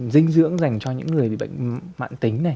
dinh dưỡng dành cho những người bị bệnh mạng tính này